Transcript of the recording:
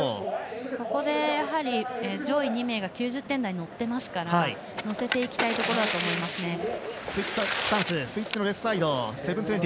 ここで上位２名が９０点台に乗ってますから乗せていきたいところだと思いますね。